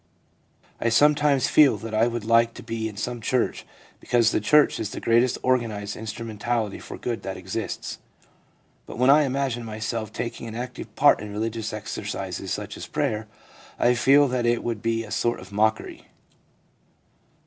I sometimes feel that I would like to be in some church, because the church is the greatest organised instrumentality for good that exists ; but when I imagine myself taking an active part in religious exercises such as prayer, I feel that it would be a sort of mockery.'